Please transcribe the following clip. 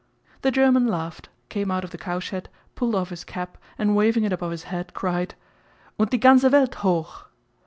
The German laughed, came out of the cowshed, pulled off his cap, and waving it above his head cried: "Und die ganze Welt hoch!"